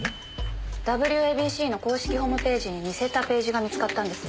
ＷＡＢＣの公式ホームページに似せたページが見つかったんです。